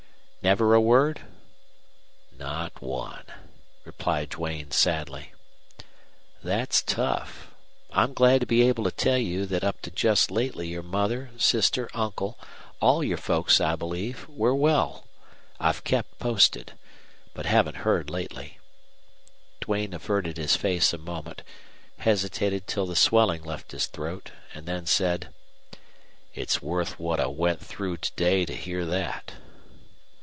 "Never a word?" "Not one," replied Duane, sadly. "That's tough. I'm glad to be able to tell you that up to just lately your mother, sister, uncle all your folks, I believe were well. I've kept posted. But haven't heard lately." Duane averted his face a moment, hesitated till the swelling left his throat, and then said, "It's worth what I went through to day to hear that."